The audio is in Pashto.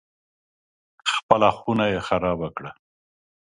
خپله خونه یې خرابه کړه.